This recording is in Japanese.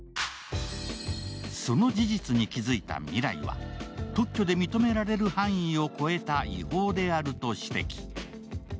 その事実に気づいた未来は、特許で認められた範囲を超えた違法であると指摘。